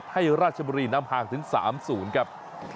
ราชบุรีนำห่างถึง๓๐ครับ